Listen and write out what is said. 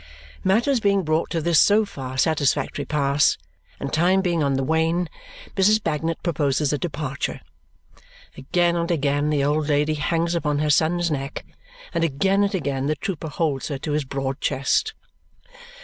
Matters being brought to this so far satisfactory pass, and time being on the wane, Mrs. Bagnet proposes a departure. Again and again the old lady hangs upon her son's neck, and again and again the trooper holds her to his broad chest.